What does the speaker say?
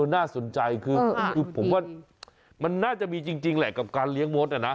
น่าสนใจคือผมว่ามันน่าจะมีจริงแหละกับการเลี้ยงมดนะ